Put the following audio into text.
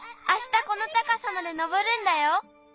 あしたこのたかさまでのぼるんだよ。